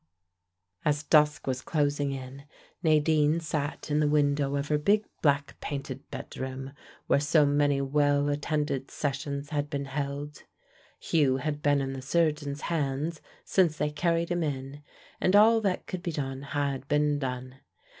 As dusk was closing in, Nadine sat in the window of her big black painted bedroom, where so many well attended sessions had been held. Hugh had been in the surgeon's hands since they carried him in, and all that could be done had been done.